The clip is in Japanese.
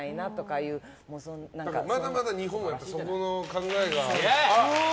まだまだ日本はそこの考えが。